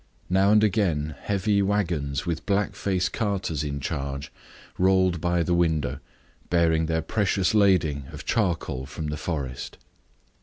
Now and again heavy wagons, with black faced carters in charge, rolled by the window, bearing their precious lading of charcoal from the forest.